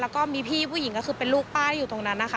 แล้วก็มีพี่ผู้หญิงก็คือเป็นลูกป้าที่อยู่ตรงนั้นนะคะ